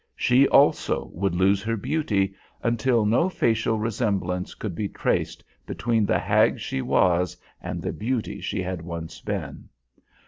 She also would lose her beauty, until no facial resemblance could be traced between the hag she was and the beauty she had once been.